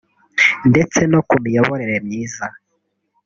ndetse no ku miyoborere myiza